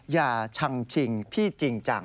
อย่าชังชิงพี่จิงจัง